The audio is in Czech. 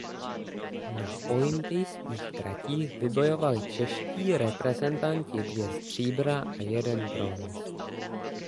Na olympijských tratích vybojovali čeští reprezentanti dvě stříbra a jeden bronz.